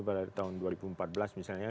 pada tahun dua ribu empat belas misalnya